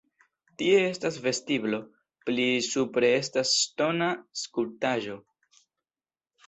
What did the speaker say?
Tie estas vestiblo, pli supre estas ŝtona skulptaĵo.